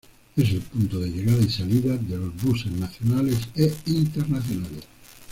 Es el punto de llegada y salida de los buses nacionales e internacionales.